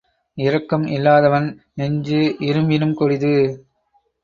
இரக்கம் இல்லாதவன் நெஞ்சு இரும்பினும் கொடிது,